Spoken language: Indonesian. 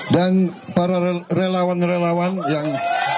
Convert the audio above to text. dan para relawan relawan yang